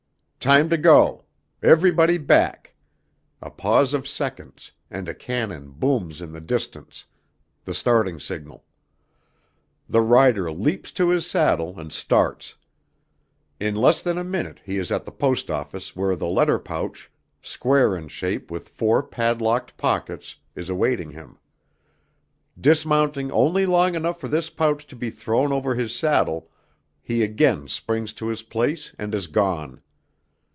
Time to go! Everybody back! A pause of seconds, and a cannon booms in the distance the starting signal. The rider leaps to his saddle and starts. In less than a minute he is at the post office where the letter pouch, square in shape with four padlocked pockets, is awaiting him. Dismounting only long enough for this pouch to be thrown over his saddle, he again springs to his place and is gone.